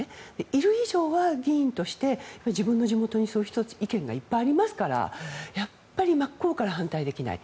いる以上は、議員として自分の地元にそういう意見がいっぱいありますからやっぱり真っ向から反対できない。